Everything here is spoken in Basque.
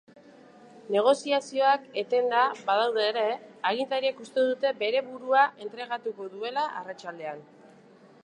Negoziazioak etenda badaude ere, agintariek uste dute bere burua entregatuko duela arratsaldean.